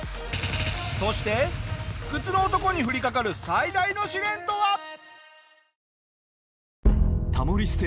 そして不屈の男に降りかかる最大の試練とは！？